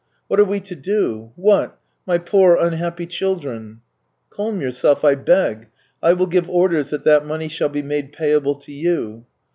What are we to do ? What ? My poor, unhappy children !"" Calm yourself, I beg. I will give orders that that money shall be made payable to you."